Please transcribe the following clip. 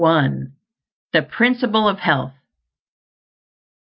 THE PRINCIPLE OF HEALTH.